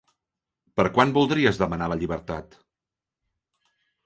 Per quan voldries demanar la llibertat?